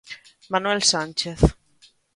Manuel Sánchez.